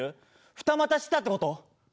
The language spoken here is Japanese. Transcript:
二股してたって事？